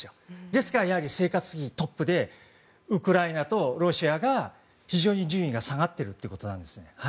だから生活費が今、トップでウクライナとロシアが非常に順位が下がっているということなんです。